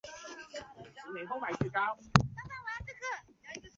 它们主要由德国联邦铁路。